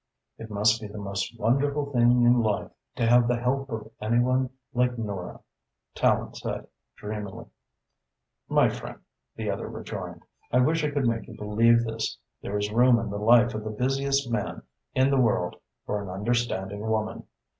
"It must be the most wonderful thing in life to have the help of any one like Nora," Tallente said dreamily. "My friend," the other rejoined, "I wish I could make you believe this. There is room in the life of the busiest man in the world for an understanding woman.